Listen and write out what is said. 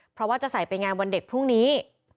เพราะว่าจะใส่ไปงานวันเด็กพรุ่งนี้